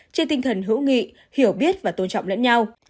trên tinh thần hữu nghị hiểu biết và tôn trọng lẫn nhau